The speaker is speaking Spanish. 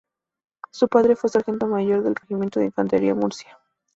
Su padre fue Sargento Mayor del Regimiento de Infantería de Murcia.